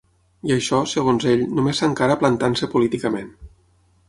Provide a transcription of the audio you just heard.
I això, segons ell, només s’encara plantant-se políticament.